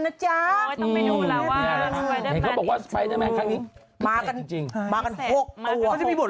นะจ๊ะโอ้ยต้องไปดูแล้วว่ามากันจริงจริงมากันหกตัวเขาจะมีบท